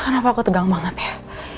kenapa aku tegang banget ya